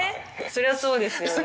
そりゃそうですよね。